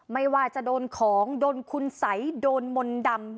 ไม่ว่าจะโดนของโดนคุณสัยโดนมนต์ดำ